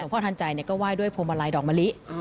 พ่อทันใจก็ไหว้ด้วยพวงมาลัยดอกมะลิ